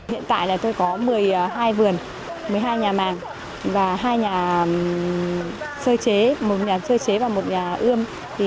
hiện tại là tôi có một mươi hai vườn một mươi hai nhà màng và hai nhà sơ chế một nhà sơ chế và một nhà ươm